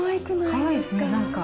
かわいいですね、なんか。